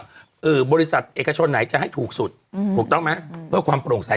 ว่าบริษัทเอกชนไหนจะให้ถูกสุดอืมถูกต้องไหมเพื่อความโปร่งใส